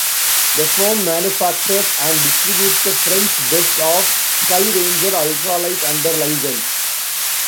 The firm manufactures and distributes the French Best Off Sky Ranger ultralight under licence.